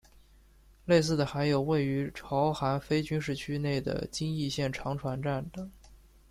类似的还有位于朝韩非军事区内的京义线长湍站等。